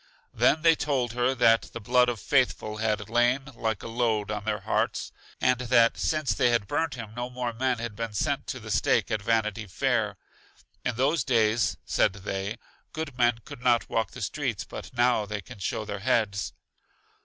They then told her that the blood of Faithful had lain like a load on their hearts; and that since, they had burnt him no more men had been sent to the Stake at Vanity Fair. In those days, said they, good men could not walk the streets, but now they can show their heads.